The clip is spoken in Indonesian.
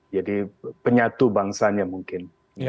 jadi penyatu bangsanya mungkin